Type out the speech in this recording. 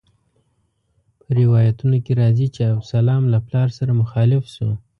روایتونو کې راځي چې ابسلام له پلار سره مخالف شو.